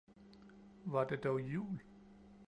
Var det dog jul